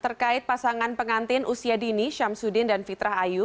terkait pasangan pengantin usia dini syamsuddin dan fitrah ayu